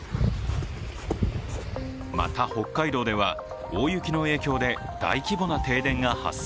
また北海道では大雪の影響で大規模な停電が発生。